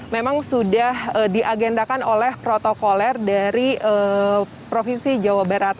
memang sudah diagendakan oleh protokoler dari provinsi jawa barat